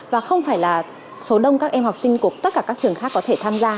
và không phải là số đông các em học sinh của tất cả các trường khác có thể tham gia